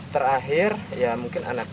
terakhir ya mungkin anaknya